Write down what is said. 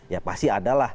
ya pasti ada lah